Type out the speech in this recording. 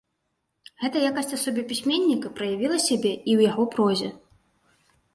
Гэта якасць асобы пісьменніка праявіла сябе і ў яго прозе.